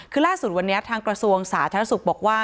คือล่าสุดวันนี้ทางกระทรวงสาธารณสุขบอกว่า